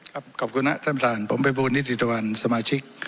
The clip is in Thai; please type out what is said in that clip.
ครับขอบคุณนะท่านประทานผมเป็นบูรณ์นิติธวรรมสมาชิก